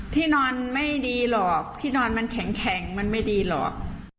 ที่นอนไม่ดีหรอกที่นอนมันแข็งมันไม่ดีหรอก